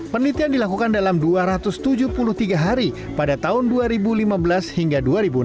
penelitian dilakukan dalam dua ratus tujuh puluh tiga hari pada tahun dua ribu lima belas hingga dua ribu enam belas